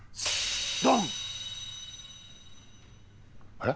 あれ？